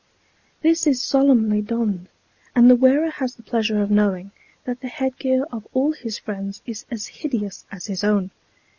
This is solemnly donned, and the wearer has the pleasure of knowing that the head gear of all his friends is as hideous as his own.